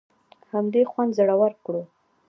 همدې خوند زړور کړو.